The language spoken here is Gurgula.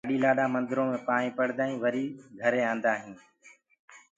لآڏي لآڏآ مندرو مي پائينٚ پڙدآ هينٚ وري وآپس گھري آندآ هينٚ